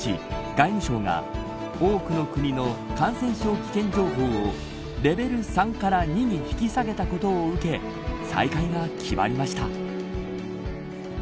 外務省が、多くの国の感染症危険情報をレベル３から２に引き下げたことを受け再開が決まりました。